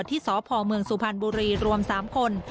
ที่สพเมืองสุพรรณบุรีรวม๓คน